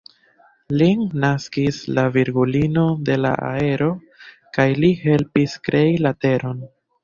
Lin naskis la Virgulino de la Aero, kaj li helpis krei la teron.